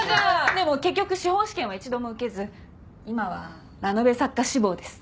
でも結局司法試験は一度も受けず今はラノベ作家志望です。